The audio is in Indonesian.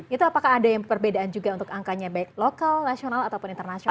itu apakah ada yang perbedaan juga untuk angkanya baik lokal nasional ataupun internasional